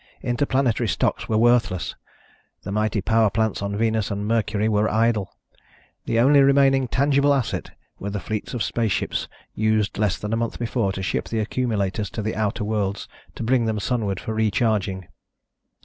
Interplanetary stocks were worthless. The mighty power plants on Venus and Mercury were idle. The only remaining tangible asset were the fleets of spaceships used less than a month before to ship the accumulators to the outer worlds, to bring them Sunward for recharging.